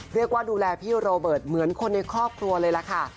เรียกว่าดูแลพี่โรเบิร์ตเหมือนคนในครอบครัวเลยล่ะค่ะ